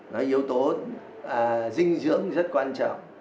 nó yếu tố dinh dưỡng rất quan trọng